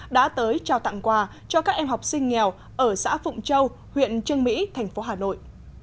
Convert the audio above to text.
đã tới trao tặng quà cho các em học sinh nghèo ở xã phụng châu huyện trương mỹ thành phố hà nội